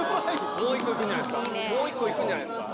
もう１個いくんじゃないですか。